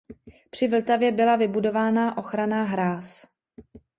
Při Vltavě byla vybudována ochranná hráz.